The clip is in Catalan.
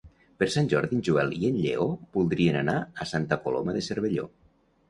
Per Sant Jordi en Joel i en Lleó voldrien anar a Santa Coloma de Cervelló.